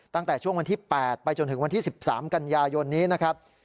ตั้งแต่ช่วงวันที่๘ไปจนถึงวันที่๑๓กันยายนนี้นะครับ